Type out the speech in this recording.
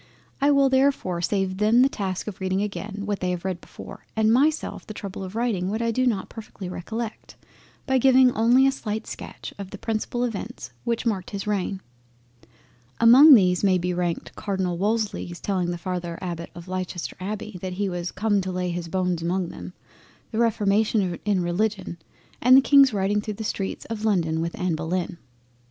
It will therefore be saving them the task of reading again what they have read before, and myself the trouble of writing what I do not perfectly recollect, by giving only a slight sketch of the principal Events which marked his reign. Among these may be ranked Cardinal Wolsey's telling the father Abbott of Leicester Abbey that "he was come to lay his bones among them," the reformation in Religion and the King's riding through the streets of London with Anna Bullen.